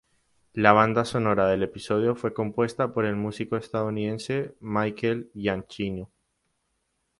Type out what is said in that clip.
La banda sonora del episodio fue compuesta por el músico estadounidense Michael Giacchino.